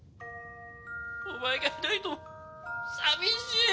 お前がいないと寂しいよ！